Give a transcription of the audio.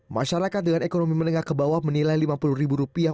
masyarakat dengan ekonomi menengah ke bawah menilai lima puluh ribu rupiah